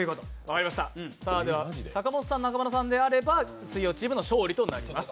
阪本さん、中村さんであれば水曜チームの勝利となります。